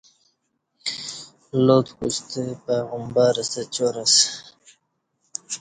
لات کوستہ پیغبر ستہ چار اسہ